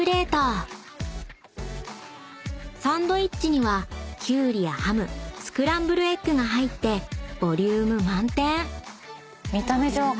［サンドイッチにはキュウリやハムスクランブルエッグが入ってボリューム満点］